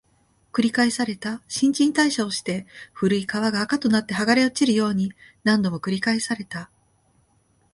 繰り返された、新陳代謝をして、古い皮が垢となって剥がれ落ちるように、何度も繰り返された